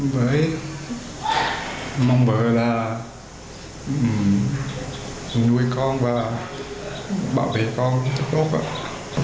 với mong vợ là nuôi con và bảo vệ con rất là tốt ạ